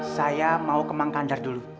saya mau ke mangkandar dulu